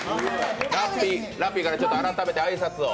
ラッピーから改めて挨拶を。